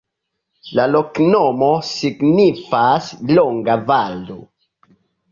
La loknomo signifas: longa-valo.